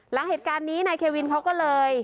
หลังเหตุการณ์นี้นายเควินเขาก็เลย